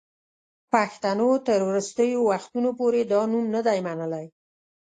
پښتنو تر وروستیو وختونو پوري دا نوم نه دی منلی.